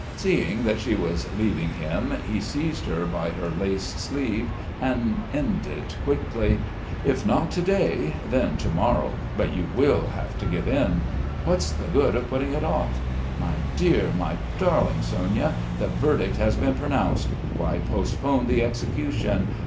Seeing that she was leaving him he seized her by her lace sleeve and ended quickly: "If not to day, then to morrow; but you will have to give in. What's the good of putting if off? My dear, my darling Sonia, the verdict has been pronounced. Why postpone the execution?